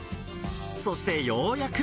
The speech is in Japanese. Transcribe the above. そしてようやく。